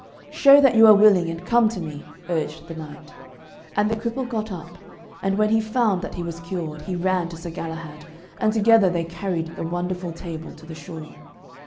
'Show that you are willing, and come to me,' urged the knight. And the cripple got up, and when he found that he was cured, he ran to Sir Galahad, and together they carried the wonderful table to the shore.